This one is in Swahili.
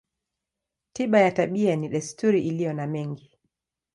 Tiba ya tabia ni desturi iliyo na mengi.